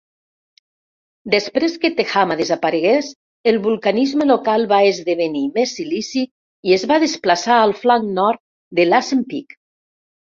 Després que Tehama desaparegués, el vulcanisme local va esdevenir més silícic i es va desplaçar al flanc nord de Lassen Peak.